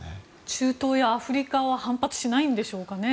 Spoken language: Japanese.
中東やアフリカは反発しないんですかね。